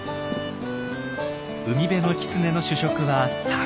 海辺のキツネの主食は魚。